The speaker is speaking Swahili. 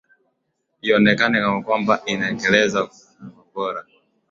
ionekane kwamba inatekeleza uongozi bora